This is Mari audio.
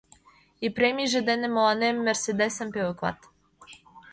И премийже дене мыланем «Мерседесым» пӧлеклет!..